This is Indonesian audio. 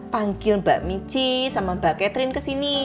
panggil mbak mici sama mbak catherine ke sini